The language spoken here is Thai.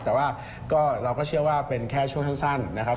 แต่ว่าเราก็เชื่อว่าเป็นแค่ช่วงสั้นนะครับ